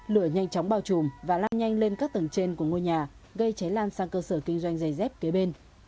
lửa nhanh chóng bao trùm và lan nhanh lên các tầng trên của ngôi nhà gây cháy lan sang cơ sở kinh doanh dây dép kế bên